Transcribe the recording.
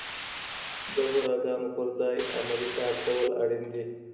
د هوراګانو پر ځای عملي کار کول اړین دي.